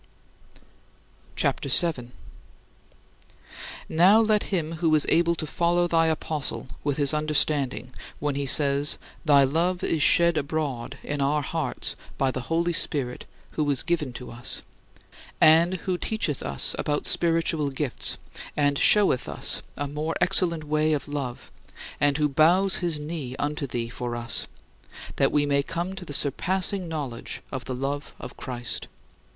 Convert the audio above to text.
CHAPTER VII 8. Now let him who is able follow thy apostle with his understanding when he says, "Thy love is shed abroad in our hearts by the Holy Spirit, who is given to us" and who teacheth us about spiritual gifts and showeth us a more excellent way of love; and who bows his knee unto thee for us, that we may come to the surpassing knowledge of the love of Christ.